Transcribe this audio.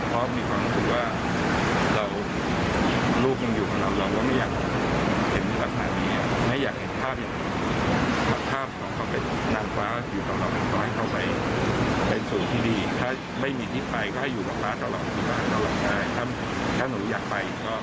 ค่ะ